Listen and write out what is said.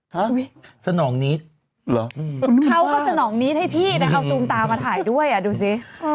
ฮะสนองนิทคุณล้วงมาเขาก็สนองนิทให้พี่แล้วเอาตูมตามมาถ่ายด้วยดูสิ